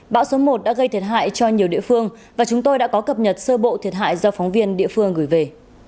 bão số một đã gây thiệt hại cho nhiều địa phương và chúng tôi đã có cập nhật sơ bộ thiệt hại do phóng viên địa phương gửi về